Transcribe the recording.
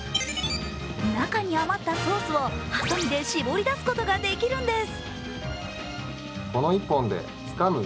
中に余ったソースをハサミで絞り出すことができるんです。